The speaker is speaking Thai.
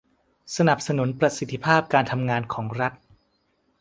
สนับสนุนประสิทธิภาพการทำงานของรัฐ